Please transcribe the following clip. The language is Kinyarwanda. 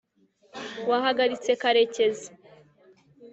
wahagaritse karekezi